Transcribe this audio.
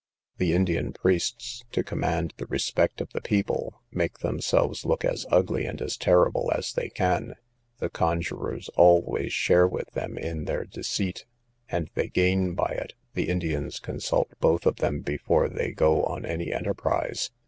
The Indian priests, to command the respect of the people, make themselves look as ugly and as terrible as they can; the conjurors always share with them in their deceit, and they gain by it; the Indians consult both of them before they go on any enterprise.